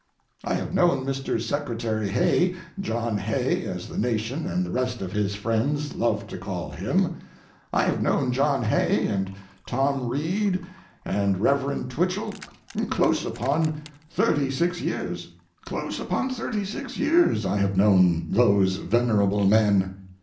I have known Mr. Secretary Hay—John Hay, as the nation and the rest of his friends love to call him—I have known John Hay and Tom Reed and the Reverend Twichell close upon thirty six years. Close upon thirty six years I have known those venerable men.